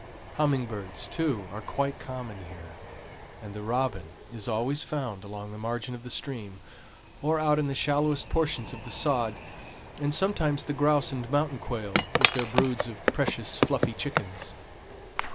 Humming birds, too, are quite common here, and the robin is always found along the margin of the stream, or out in the shallowest portions of the sod, and sometimes the grouse and mountain quail, with their broods of precious fluffy chickens.